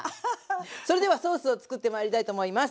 それではソースをつくってまいりたいと思います。